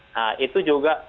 nah itu juga